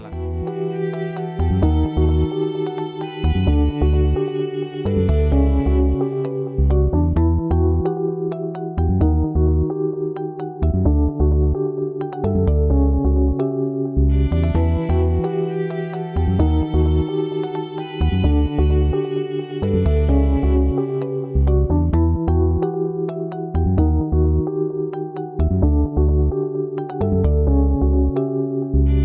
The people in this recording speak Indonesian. sebagai tulang punggung sih